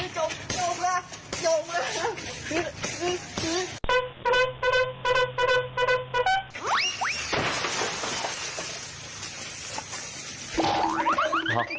จงละจงละ